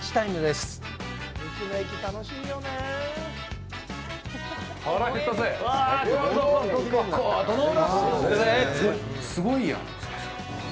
すごいやん！